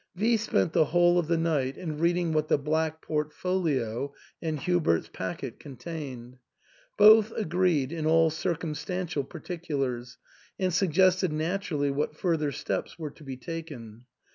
V spent the whole of the night in reading what the black portfolio and Hubert's packet contained. Both agreed in all circumstantial particulars, and sug gested naturally what further steps were to be taken.